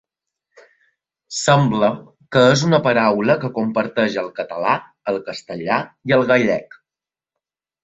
Sembla que és una paraula que comparteixen el català, el castellà i el gallec.